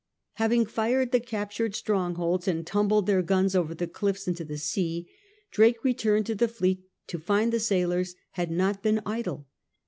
Having fired the captured strongholds, and tumbled their guns over the cliffs into the sea, Drake returned to the fleet to find the sailors had not been idle.